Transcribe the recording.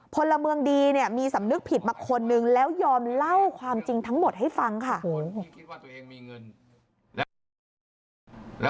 พลเมืองดีเนี่ยมีสำนึกผิดมาคนนึงแล้วยอมเล่าความจริงทั้งหมดให้ฟังค่ะ